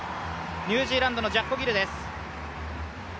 ニュージーランドのジャッコ・ギルです。